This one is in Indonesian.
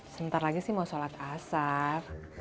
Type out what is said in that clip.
sebentar lagi sih mau sholat asar